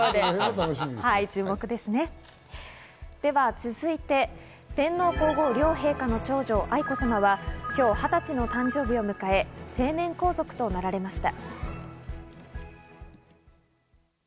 続いて、天皇皇后両陛下の長女・愛子さまは今日、２０歳の誕生日を迎え、成年皇族となられました。